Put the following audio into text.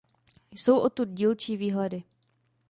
Jsou odtud dílčí výhledy.